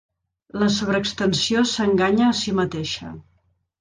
La sobreextensió s'enganya a si mateixa.